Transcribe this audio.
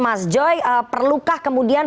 mas joy perlukah kemudian